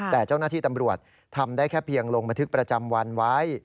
แต่เจ้าหน้าที่ตำรวจทำได้แค่เพียงลงบันทึกประจำวันไว้